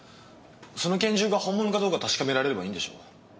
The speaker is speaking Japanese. その拳銃が本物かどうか確かめられればいいんでしょ？